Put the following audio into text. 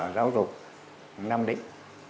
giáo dục nam định